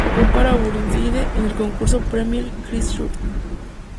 Jugó para Burnside en el concurso premier Christchurch.